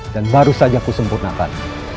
dan baru saja ku sempurnakan